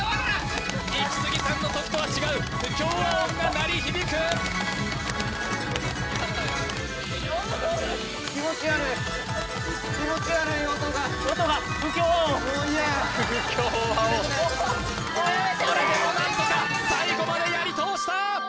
イキスギさんの時とは違う不協和音が鳴り響く気持ち悪い音が不協和音それでも何とか最後までやり通した！